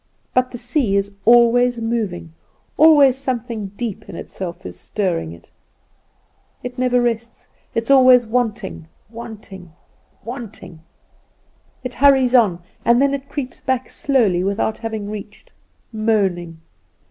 But the sea is always moving, always something deep in itself is stirring it. It never rests. It is always wanting, wanting, wanting. It hurries on; and then it creeps back slowly without having reached, moaning.